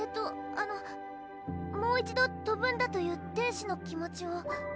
あのもう一度飛ぶんだという天使の気持ちを。